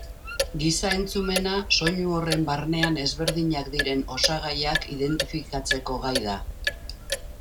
Giza-entzumena soinu horren barnean ezberdinak diren osagaiak identifikatzeko gai da.